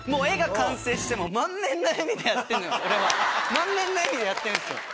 満面の笑みでやってんすよ。